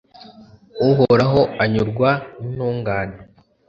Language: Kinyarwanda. uhoraho anyurwa n'intungane